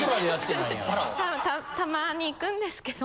たまに行くんですけど。